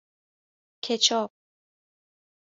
کچاپ